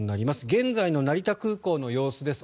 現在の成田空港の様子です。